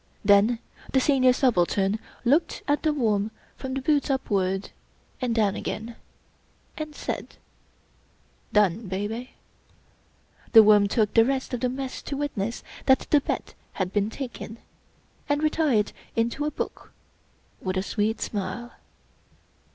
Then the Senior Subaltern looked at The Worm from the boots upward, and down agam and said :" Done, Baby." The Worm took the rest 37 English Mystery Stories of the Mess to witness that the bet had been taken, and retired into a book with a sweet smile.